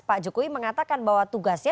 pak jokowi mengatakan bahwa tugasnya